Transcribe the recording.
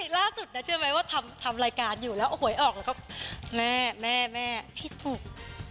ล่าสุดนะเชื่อไหมว่าทำรายการอยู่แล้วหวยออกแล้วก็แม่แม่ผิดถูก